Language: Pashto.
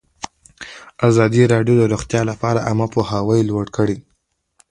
ازادي راډیو د روغتیا لپاره عامه پوهاوي لوړ کړی.